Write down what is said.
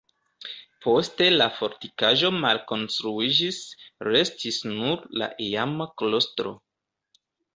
Poste la fortikaĵo malkonstruiĝis, restis nur la iama klostro.